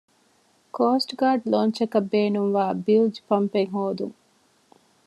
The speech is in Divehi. ކޯސްޓްގާޑް ލޯންޗަކަށް ބޭނުންވާ ބިލްޖް ޕަމްޕެއް ހޯދުން